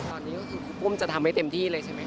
ตอนนี้ก็คือครูปุ้มจะทำให้เต็มที่เลยใช่ไหมค